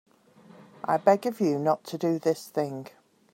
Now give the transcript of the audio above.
I beg of you not to do this thing.